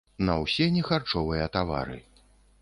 На ўсе нехарчовыя тавары.